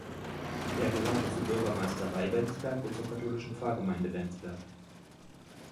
Er gehörte zur Bürgermeisterei Bensberg und zur katholischen Pfarrgemeinde Bensberg.